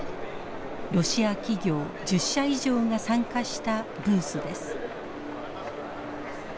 ロシア企業１０社以上が参加したブースです。